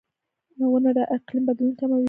• ونه د اقلیم بدلون کموي.